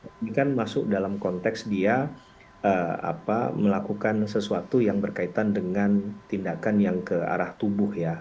ini kan masuk dalam konteks dia melakukan sesuatu yang berkaitan dengan tindakan yang ke arah tubuh ya